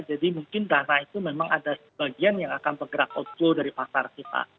jadi mungkin dana itu memang ada sebagian yang akan menggerak outflow dari pasar kita